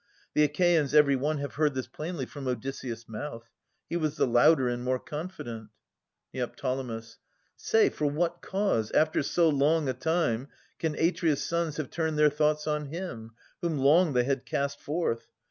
The Achaeans every one Have heard this plainly from Odysseus' mouth. He was the louder and more confident. Neo. Say, for what cause, after so long a time. Can Atreus' sons have turned their thoughts on him, Whom long they had cast forth?